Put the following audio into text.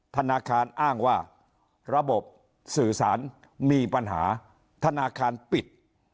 ธนาคารอ้างว่าระบบสื่อสารมีปัญหาธนาคารปิด